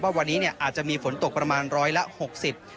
ว่าวันนี้เนี่ยอาจจะมีฝนตกประมาณร้อยละหกสิบ